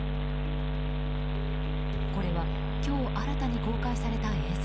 これは今日新たに公開された映像。